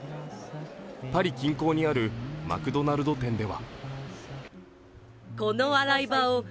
パリ近郊にあるマクドナルド店では。